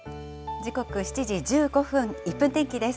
時刻７時１５分、１分天気です。